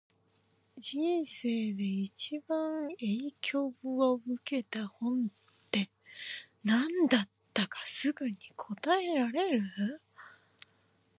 人生で一番影響を受けた本って、何だったかすぐに答えられる？